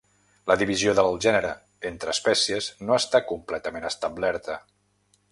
La divisió del gènere entre espècies no està completament establerta.